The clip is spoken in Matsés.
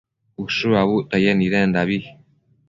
ushË abuctuaye nidendabi